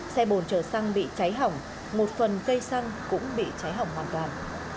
xe bồn chở xăng bị cháy hỏng một phần cây xăng cũng bị cháy hỏng hoàn toàn